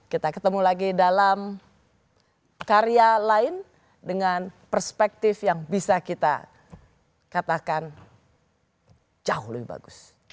kita ketemu lagi dalam karya lain dengan perspektif yang bisa kita katakan jauh lebih bagus